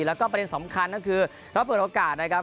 แล้วก็ประเด็นสำคัญก็คือเราเปิดโอกาสนะครับ